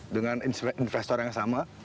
dengan investor yang sama